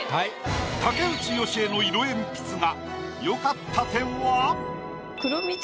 竹内由恵の色鉛筆画。